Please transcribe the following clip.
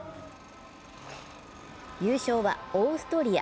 優勝はオーストリア。